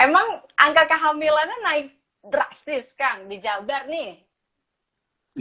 emang angka kehamilannya naik drastis kang di jabar nih